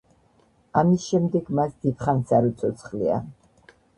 ამის შემდეგ მას დიდხანს არ უცოცხლია.